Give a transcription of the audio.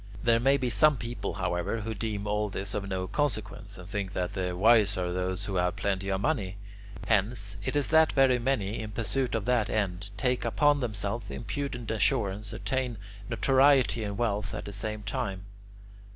There may be some people, however, who deem all this of no consequence, and think that the wise are those who have plenty of money. Hence it is that very many, in pursuit of that end, take upon themselves impudent assurance, and attain notoriety and wealth at the same time.